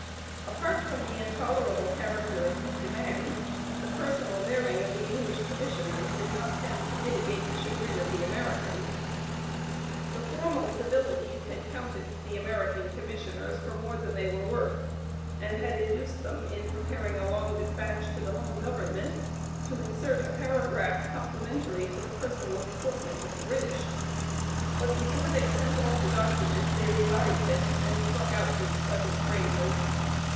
Apart from the intolerable character of these demands, the personal bearing of the English Commissioners did not tend to mitigate the chagrin of the Americans. The formal civilities had counted with the American Commissioners for more than they were worth, and had (p. 081) induced them, in preparing a long dispatch to the home government, to insert "a paragraph complimentary to the personal deportment" of the British. But before they sent off the document they revised it and struck out these pleasant phrases.